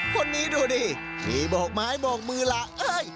คนนี้ดูดิที่โบกไม้โบกมือล่ะเอ้ย